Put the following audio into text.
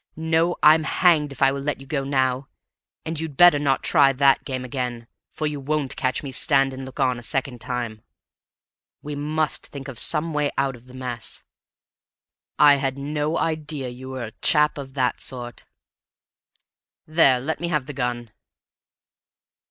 No, I'm hanged if I let you go now. And you'd better not try that game again, for you won't catch me stand and look on a second time. We must think of some way out of the mess. I had no idea you were a chap of that sort! There, let me have the gun."